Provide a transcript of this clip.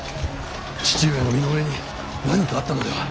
父上の身の上に何かあったのでは。